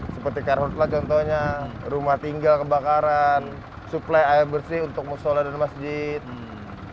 seperti karyotelah contohnya rumah tinggal kebakaran suplai air bersih untuk musyola dan masjid rumah rumah yang kekeringan